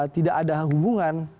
tidak ada hubungan